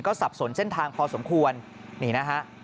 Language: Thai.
สับสนเส้นทางพอสมควรนี่นะฮะ